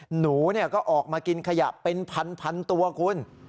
หนูก็ออกมากินขยะเป็นพันตัวคุณ